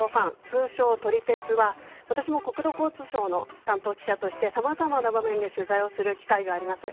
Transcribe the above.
通称・撮り鉄は私も国土交通省の担当記者としてさまざまな場面で取材をする機会があります。